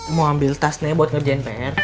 mau ambil tas nih buat ngerjain pr